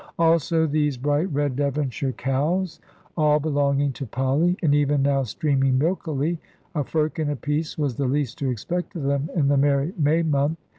Also these bright red Devonshire cows, all belonging to Polly, and even now streaming milkily a firkin apiece was the least to expect of them, in the merry May month.